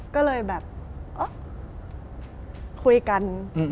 ก็เลยแบบคุยกัน